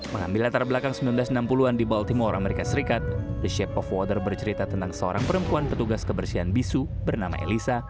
mengambil latar belakang seribu sembilan ratus enam puluh an di bawah timur amerika serikat the shape of water bercerita tentang seorang perempuan petugas kebersihan bisu bernama elisa